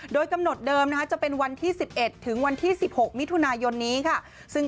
โดยกำหนดเดิมนะคะจะเป็นวันที่๑๑ถึงวันที่๑๖มิถุนายนนี้ค่ะ